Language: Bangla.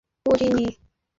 দুধ পান করেছি।